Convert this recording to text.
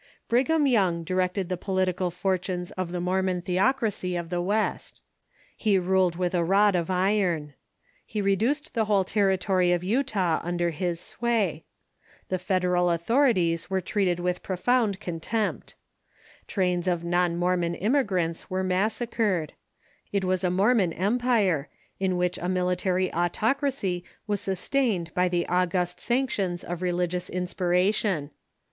Brighani Young directed the political fortunes of the Mor mon theocracy of the West. He ruled with a rod of iron. He reduced the whole territory of Utah under his r„™1,'i!!ofL„c sway. The Federal authorities were treated with Complications ■' })rofound contempt. Trains of non Mormon immi grants were massacred. It was a Mormon empire, in which a military autocracy was sustained by the august sanctions of religious inspiration.